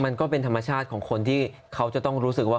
มันก็เป็นธรรมชาติของคนที่เขาจะต้องรู้สึกว่า